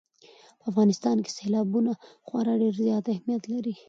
په افغانستان کې سیلابونه خورا ډېر زیات اهمیت لري.